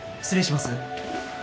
失礼します。